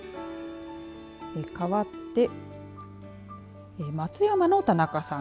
かわって松山の田中さん。